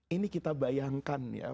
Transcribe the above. ini kita bayangkan ya